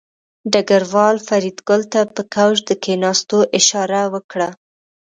ډګروال فریدګل ته په کوچ د کېناستو اشاره وکړه